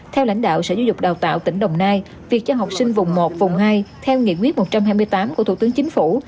theo lãnh đạo sở giáo dục đào tạo tỉnh đồng nai việc cho học sinh vùng một vùng hai theo nghị quyết một trăm hai mươi tám của thủ tướng chính phủ